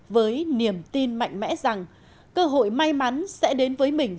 với niềm tin mạnh mẽ rằng cơ hội may mắn sẽ đến với mình